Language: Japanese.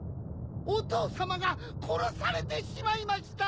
お父さまが殺されてしまいました！